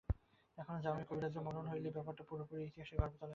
এখন যামিনী করিরাজের মরণ হইলেই ব্যাপারটা পুরোপুরি ইতিহাসের গর্ভে তলাইয়া যাইতে পারে।